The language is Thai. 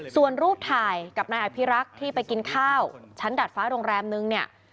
ส่วนรูปถ่ายกับนายอภิรักษ์ที่ไปกินข้าวชั้นดัดฟ้าโรงแรมนึงเนี่ย